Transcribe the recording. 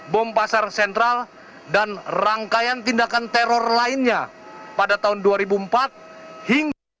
bom pasar sentral dan rangkaian tindakan teror lainnya pada tahun dua ribu empat hingga dua ribu dua